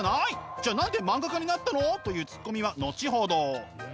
じゃあ何で漫画家になったの？というツッコミは後ほど。